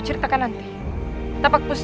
tidak ada yang bisa dikawal